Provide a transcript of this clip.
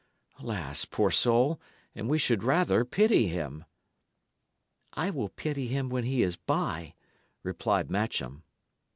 Alas, poor soul, and we should rather pity him!" "I will pity him when he is by," replied Matcham.